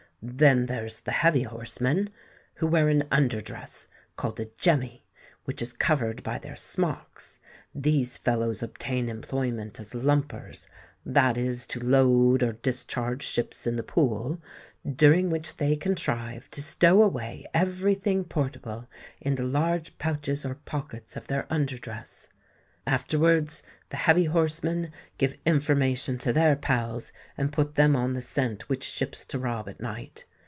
Then there's the heavy horsemen, who wear an under dress, called a jemmy, which is covered by their smocks: these fellows obtain employment as lumpers,—that is, to load or discharge ships in the pool, during which they contrive to stow away every thing portable in the large pouches or pockets of their under dress. Afterwards, the heavy horsemen, give information to their pals, and put them on the scent which ships to rob at night.